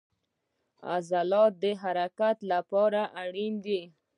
عضلات د حرکت لپاره اړین دي